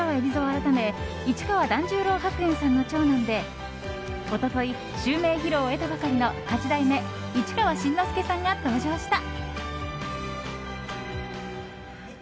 改め市川團十郎白猿さんの長男で一昨日襲名披露を終えたばかりの八代目市川新之助さんが登場した。